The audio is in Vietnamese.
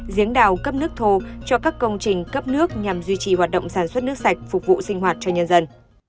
giếng đào cấp nước thô cho các công trình cấp nước nhằm duy trì hoạt động sản xuất nước sạch phục vụ sinh hoạt cho nhân dân